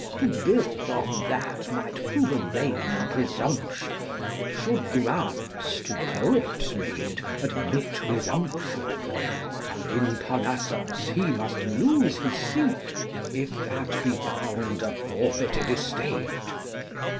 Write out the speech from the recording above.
To build on that might prove a vain presumption, Should grants to poets made admit resumption, And in Parnassus he must lose his seat, If that be found a forfeited estate.